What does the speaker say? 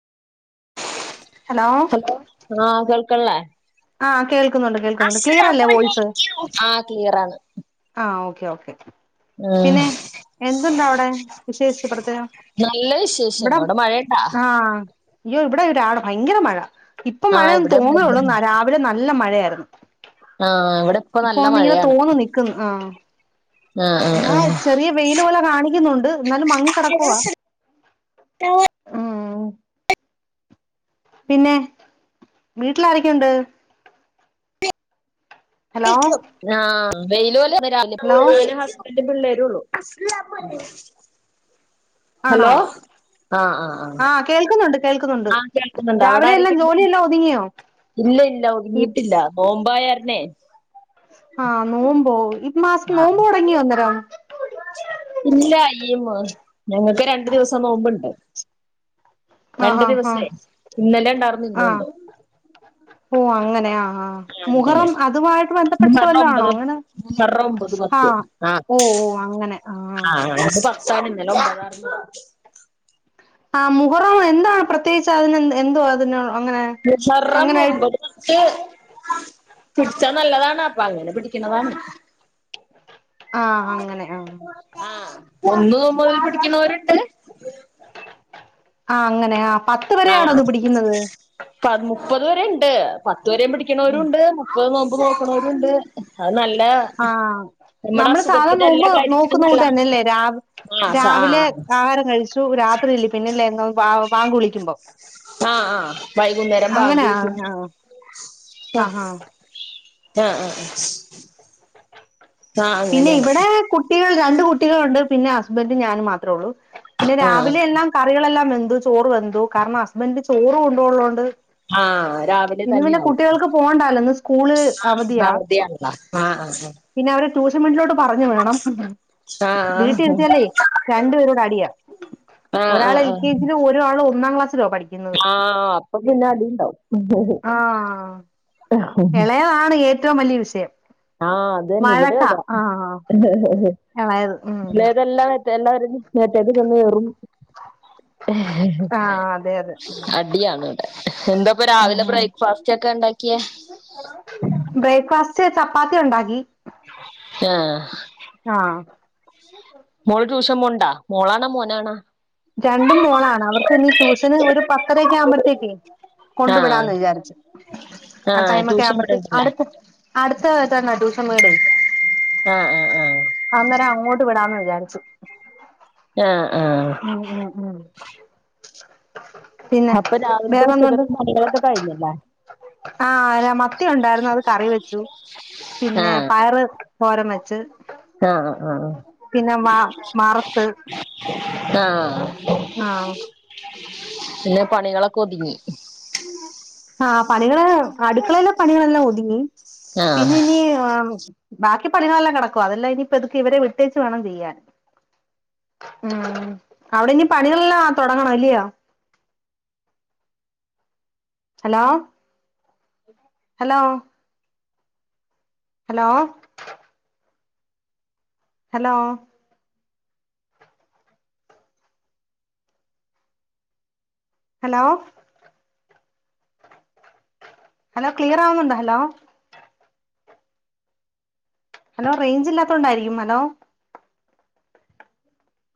Hello ആഹ് കേൾക്ക്ണല്ലേ ആഹ് കേൾക്കുന്നുണ്ട് കേൾക്കുന്നുണ്ട് ക്ലിയർ അല്ലേ വോയ്സ് ആഹ് ക്ലിയർ ആണ് ആഹ് ഓക്കെ ഓക്കെ പിന്നെ ആഹ് എന്തുണ്ട് അവിടെ വിശേഷിച്ച് പ്രത്യേകം നല്ല വിശേഷം ഇവിടം അവിടെ മഴയുണ്ടാ ആഹ് അയ്യോ ഇവിടെ ഒരാടെ ഭയങ്കര മഴ ഇപ്പൊ ആഹ് മഴയൊന്ന് ഇവിടെ ഭയങ്കര തോന്നേയുള്ളൂന്ന് മഴ രാവിലെ നല്ല മഴയായിരുന്നു ആഹ് ഇവടെ ഇപ്പൊ നല്ല മഴയാണ് ക്കുന്ന് ആഹ് ആഹ് ആഹ് എന്നാ ആഹ് ചെറിയ വെയില് പോലെ കാണിക്കുന്നുണ്ട് എന്നാലും മങ്ങി കെടക്കുവാ പിന്നെ വീട്ടില് ആരൊക്കെയുണ്ട് ഹലോ ആഹ് വെയില് [unintelligible] ഹലോ രണ്ട് പിള്ളേര് ഒള്ളു ആണോ ആഹ് കേൾക്കുന്നുണ്ട് കേൾക്കുന്നുണ്ട് ആഹ് കേൾക്കുന്നുണ്ട് അവിടെ രാവിലെ എല്ലാം ആരൊക്കെയുണ്ട് ജോലിയെല്ലാം ഒതുങ്ങിയോ ഇല്ല ഇല്ല ഈ ഒതുങ്ങിയിട്ടില്ല നോമ്പായ കാരണെ ആഹ് നോമ്പോ ഈ മാസ ആഹ് നോമ്പു തൊടങ്ങിയോ അന്നേരം ഇല്ല യ്യ്മ് ഞങ്ങക്ക് രണ്ടു ദിവസം നോമ്പ്ണ്ട് ആഹ് രണ്ടു ആഹ് ആഹ് ദിവസേ ഇന്നലെ ഉണ്ടാർന്നു ഇന്നും ആഹ് ഉണ്ട് ഓ അങ്ങനെ ആഹ് ആഹ് അങ്ങനെ മുഹ്റം അതുമായിട്ട് ബന്ധപ്പെട്ടിട്ട് മുഹറം വല്ലോം ആണോ ഒമ്പത് അങ്ങനെ മുഹറം ഒമ്പത് പത്ത് ആഹ് ഓഹ് ഓഹ് അങ്ങനെ ആഹ് [unintelligible] ഇന്നലെ ഒമ്പത് ആറുന്നു ആഹ് മുഹ്റം എന്താ പ്രത്യേകിച്ച് അതിന് എന്തുവാ അതിന് അങ്ങനെ മുഹറം അങ്ങനെ ഒമ്പതും പത്ത് പിടിച്ചാ നല്ലതാണ് അപ്പൊ അങ്ങനെ പിടിക്കുന്നതാണ് ആഹ് അങ്ങനെ ആഹ് ആ ഒന്നും മുതൽ പിടിക്കുന്നവരുണ്ട് ആഹ് അങ്ങനെ ആഹ് പത്ത് വരെ ആണോ ആഹ് അത് പിടിക്കുന്നത് പ മുപ്പത് വരെ ഉണ്ട് പത്ത് വരെയും പിടിക്കുന്നവരും ഉണ്ട് മു മുപ്പതു നോമ്പ് നോക്കുണവരുണ്ട് അത് നല്ലതാ ആഹ് നമ്മള് സാദാ നോമ്പ് നോക്കുന്ന കാര്യത്തിനുംന്നല്ല കൂട്ട് തന്നെ അല്ലെ രാവ്‌ ആഹ് സ രാവിലെ ആഹ് ആഹാരം കഴി ച്ചു രാത്രില്ലേ പിന്നിലെ ബാ ബാങ്ക് വിളിക്കുമ്പോ ആഹ് ആഹ് വൈകുന്നേരം ബാങ്ക് അങ്ങനെ ആഹ് വിളിച്ചിട്ട് ആഹ് ആഹ് ആഹ് ആഹ് ആഹ് പിന്നെ അങ്ങനെയാണ് ഇവടെ കുട്ടികൾ രണ്ട് കുട്ടികളുണ്ട് പിന്നെ ഹസ്ബന്റും ഞാനും മാത്രേ ഒള്ളു പിന്നെ ആഹ് രാവിലെ എല്ലാം കറികളെല്ലാം വെന്തു ചോറ് വെന്തു കാരണം ഹസ്ബന്റ് ചോറ് കൊണ്ട് പോവാൻ ഉള്ളതോണ്ട് ആഹ് രാവിലെ ഇന്ന് തന്നെ പിന്നെ ആവും കുട്ടികൾക്ക് പോവണ്ടാവുല്ല ഇന്ന് സ്കൂള് ഇന്ന് അവധിയാ അവധിയാണല്ലോ ആഹ് ആഹ് പിന്നെ അവര് ട്യൂഷൻ വീട്ടിലോട്ട് പറഞ് വിടണം ആഹ് ആഹ് വീട്ടി ഇരുത്തിയാലേ രണ്ടു പേരൂടെ അടിയാ ആഹ് ആഹ് ഒരാള് ആഹ് എൽ കെജി ലും ഒരാള് ഒന്നാം ക്ലാസ്സിലുമാ പഠി ആഹ് അപ്പൊ പിന്നെ അടിണ്ടാവും ആഹ് എളയതാണ് ഏറ്റവും വലിയ വിഷയം ആഹ് അത് തന്നെ ഇവിടെ വഴക്കാ അതാ ആഹ് ഇളയത് ഉം ഇളയതെല്ലാം ആഹ് [unintelligible] അതെ അതെ അടിയാണ് ഇവടെ എന്താപ്പ രാവിലെ ഉം ബ്രേക്ക് ഫാസ്റ്റ് ഒക്കെ ഇണ്ടാക്കിയെ? ബ്രേക്ക്ഫാസ്റ്റ് ചപ്പാത്തി ഉണ്ടാക്കി ആഹ് ആഹ് മോള് ട്യൂഷൻ പോവ്ണ്ടോ? മോളാണോ, മോനാണോ? രണ്ടും മോളാണ് അവർക്ക് ഇനി ട്യൂഷന് ഒരു പത്തരയൊക്കെ ആവുമ്പത്തേക്ക്‌ കൊണ്ടു ആഹ് വിടാന്ന് വിചാരിച്ചു ആഹ് ടൈമ് ഒക്കെ ട്യൂഷൻ ആവുമ്പത്തേക്ക് ഇവിടെണ്ടല്ലേ ആര്ക്ക് അടുത്ത് തന്നാ ട്യൂഷൻ വീടെ ആഹ് ആഹ് ആഹ് അന്നേരം അങ്ങോട്ട് വിടാന്ന് വിചാരിച്ചു ആഹ് ആഹ് ഉം ഉം ഉം പിന്നെ അപ്പൊ രാവിൽത്തേം വേറെന്തുണ്ട് ഉച്ചക്കത്തേം പണികളൊക്കെ കഴിഞ്ഞല്ലേ? ആഹ് അര മത്തി ഉണ്ടായിരുന്നു അത് കറി വെച്ചു പിന്നെ ആഹ് പയറ് തോരൻ വെച്ച് ആഹ് ആഹ് പിന്നെ മാ മറത്ത് ആഹ് ആഹ് പിന്നെ പണികളൊക്കെ ഒതുങ്ങി ആഹ് പണികള് അടുക്കളയിലെ പണികളെല്ലാം ഒതുങ്ങി ആഹ് പിന്നെ ഇനി ആഹ് ബാക്കി പണികളെല്ലാം കെടക്കുവാ അതെല്ലാം ഇനി പെതു‌ക്കി ഇവരെ വിട്ടേച്ച് വേണം ചെയ്യാൻ ഉം അവിടെ ഇനി പണികളെല്ലാം തോടങ്ങണം ഇല്ലയോ? Hello hello hello hello hello hello ക്ലിയറാ ആവുന്നുണ്ടോ? ഹലോ ഹലോ റേഞ്ച് ഇല്ലാത്തോണ്ടായിരിക്കും ഹലോ